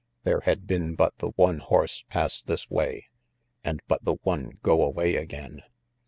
There had been but the one horse pass this way and but the one go away again.